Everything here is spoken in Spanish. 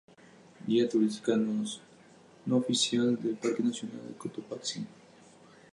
Guía Turística no oficial del Parque Nacional Cotopaxi